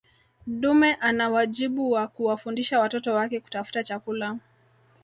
dume ana wajibu wa kuwafundisha watoto wake kutafuta chakula